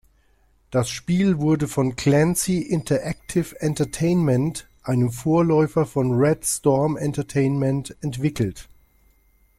Das Spiel wurde von "Clancy Interactive Entertainment", einem Vorläufer von Red Storm Entertainment, entwickelt.